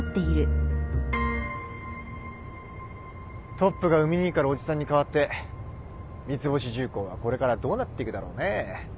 トップが海兄から叔父さんに代わって三ツ星重工はこれからどうなっていくだろうねぇ。